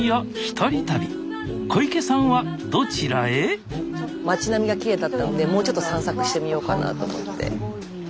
スタジオ町並みがきれいだったのでもうちょっと散策してみようかなと思って。